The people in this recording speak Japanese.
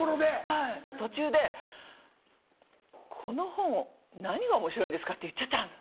はい途中で「この本何がおもしろいんですか」って言っちゃったの。